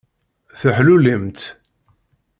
Teḥlulimt.